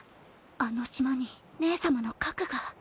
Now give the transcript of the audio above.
あの島に姉様の核が。